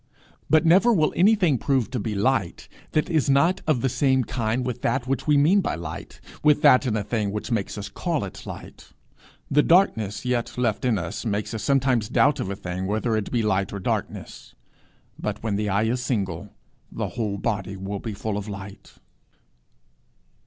But never will anything prove to be light that is not of the same kind with that which we mean by light, with that in a thing which makes us call it light. The darkness yet left in us makes us sometimes doubt of a thing whether it be light or darkness; but when the eye is single, the whole body will be full of light.